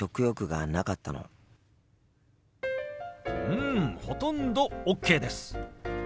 うんほとんどＯＫです。